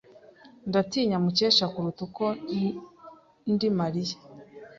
Ndatinya Mukesha kuruta uko ndi Mariya.